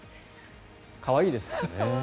可愛いですからね。